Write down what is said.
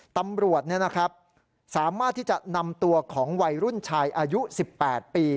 ตำรวจสามารถที่จะนำตัวของวัยรุ่นชายอายุ๑๘ปี